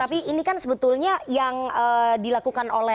tapi ini kan sebetulnya yang dilakukan oleh